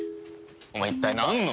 お前一体なんの。